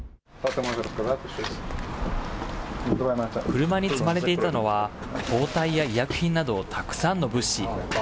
車に積まれていたのは包帯や医薬品など、たくさんの物資。